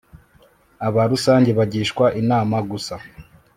aba rusange bagishwa inama gusa